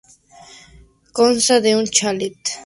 Consta de un chalet y diversas residencias.